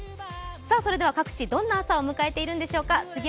それでは各地、どんな朝を迎えているんでしょうか。